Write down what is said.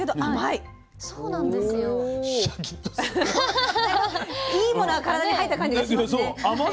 いいものが体に入った感じがしますね。